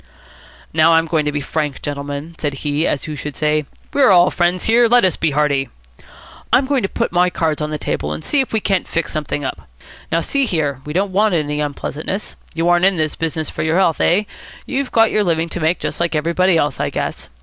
"Now, I'm going to be frank, gentlemen," said he, as who should say, "We are all friends here. Let us be hearty." "I'm going to put my cards on the table, and see if we can't fix something up. Now, see here: We don't want unpleasantness. You aren't in this business for your healths, eh? You've got your living to make, just like everybody else, I guess.